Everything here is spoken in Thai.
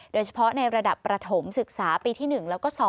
โดยเฉพาะในระดับประถมศึกษาปีที่๑แล้วก็๒